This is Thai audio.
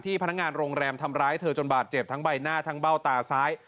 พนักงานโรงแรมทำร้ายเธอจนบาดเจ็บทั้งใบหน้าทั้งเบ้าตาซ้าย